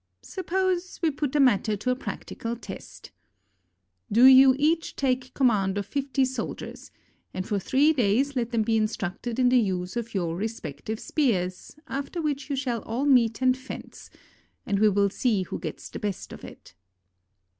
Suppose we put the matter to a practical test. Do you each take command of fifty soldiers, and for three days let them be instructed in the use of your respective spears, after which you shall all meet and fence, and we will see who gets the best of it."